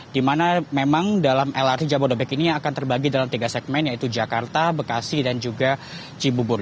di mana memang dalam lrt jabodebek ini akan terbagi dalam tiga segmen yaitu jakarta bekasi dan juga cibubur